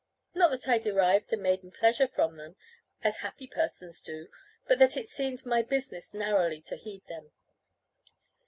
Not that I derived a maiden pleasure from them, as happy persons do, but that it seemed my business narrowly to heed them.